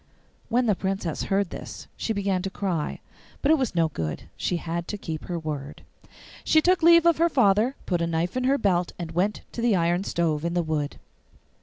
When the Princess heard this she began to cry, but it was no good; she had to keep her word. She took leave of her father, put a knife in her belt, and went to the iron stove in the wood.